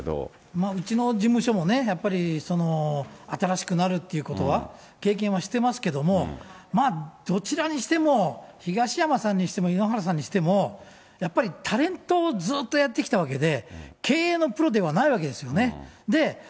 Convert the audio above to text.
まあうちの事務所もね、やっぱり新しくなるっていうことは、経験はしてますけども、まあどちらにしても、東山さんにしても、井ノ原さんにしても、やっぱりタレントをずっとやってきたわけで、経営のプロではないわけですよね。